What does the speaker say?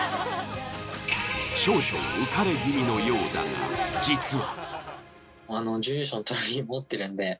少々浮かれ気味のようだが実は。